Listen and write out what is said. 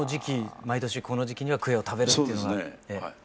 毎年この時期にはクエを食べるっていうのが。